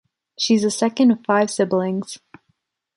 She's the second of five siblings.